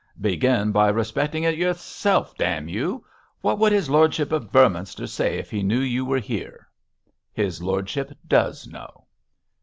'Begin by respecting it yourself, d you. What would his lordship of Beorminster say if he knew you were here?' 'His lordship does know.'